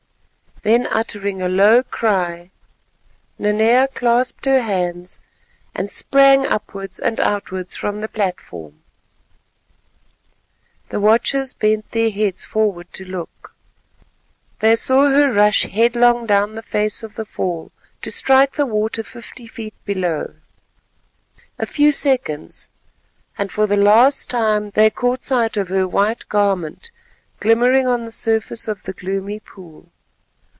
Then uttering a low cry Nanea clasped her hands and sprang upwards and outwards from the platform. The watchers bent their heads forward to look. They saw her rush headlong down the face of the fall to strike the water fifty feet below. A few seconds, and for the last time, they caught sight of her white garment glimmering on the surface of the gloomy pool.